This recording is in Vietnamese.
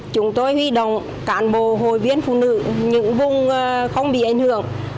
chúng tôi huy động cán bộ hội viên phụ nữ những vùng không bị ảnh hưởng